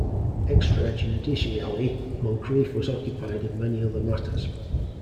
Extrajudicially Moncreiff was occupied in many other matters.